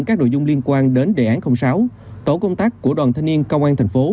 các nội dung liên quan đến đề án sáu tổ công tác của đoàn thanh niên công an thành phố